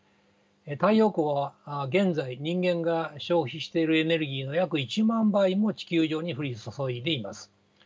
太陽光は現在人間が消費しているエネルギーの約１万倍も地球上に降り注いでいます。